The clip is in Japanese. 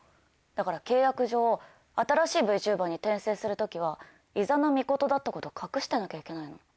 だから契約上新しいＶＴｕｂｅｒに転生する時は伊邪那ミコトだったこと隠してなきゃいけないの。